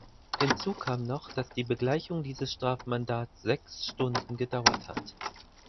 Hinzu kam noch, dass die Begleichung dieses Strafmandats sechs Stunden gedauert hat.